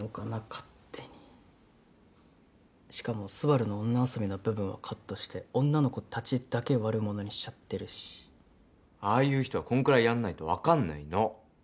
勝手にしかもスバルの女遊びの部分はカットして女の子たちだけ悪者にしちゃってるしああいう人はこんくらいやんないと分かんないの！